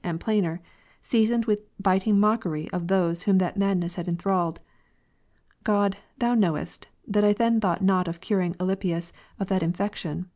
95 and plainer, seasoned with biting mockery of those whom that madness had enthralled; God, Thou knowest, that I then thought not of curing Alypius of that infection.